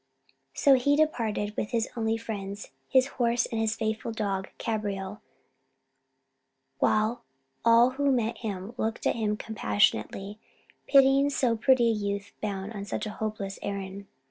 So he departed with his only friends his horse and his faithful dog Cabriole; while all who met him looked at him compassionately, pitying so pretty a youth bound on such a hopeless errand.